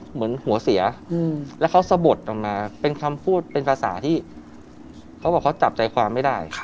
เหมือนหัวเสียแล้วเขาสะบดออกมาเป็นคำพูดเป็นภาษาที่เขาบอกเขาจับใจความไม่ได้